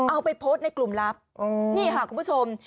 เอาไปโพสต์ในกลุ่มลับนี่ค่ะคุณผู้ชม